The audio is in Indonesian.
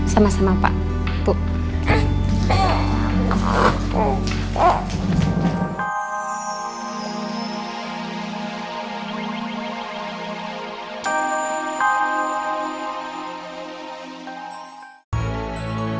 sama sama pak ibu